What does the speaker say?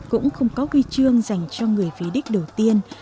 cũng không có quy trương dành cho người phí đích đầu tiên